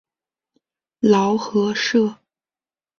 劳合社。